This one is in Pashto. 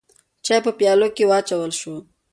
چای په پیالو کې واچول شو.